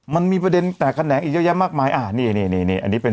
มันมีประเด็นแตกแขนงอีกเยอะแยะมากมายอ่านี่นี่อันนี้เป็น